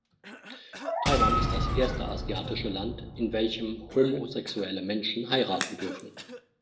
Taiwan ist das erste asiatische Land, in welchem homosexuelle Menschen heiraten dürfen.